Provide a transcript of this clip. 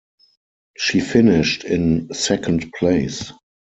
She finished in second place.